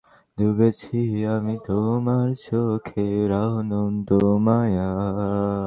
এত তাড়াতাড়ি আবার দেখা হবে ভাবিনি।